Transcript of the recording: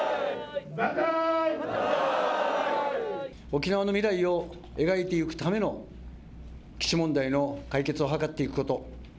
沖縄の未来を描いていくための基地問題の解決を図っていくこと。